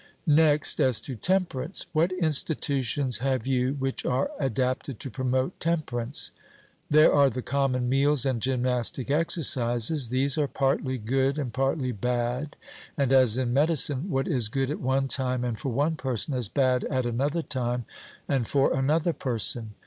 Next as to temperance: what institutions have you which are adapted to promote temperance? 'There are the common meals and gymnastic exercises.' These are partly good and partly bad, and, as in medicine, what is good at one time and for one person, is bad at another time and for another person.